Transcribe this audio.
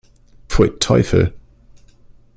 Pfui, Teufel!